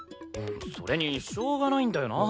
それにしょうがないんだよな。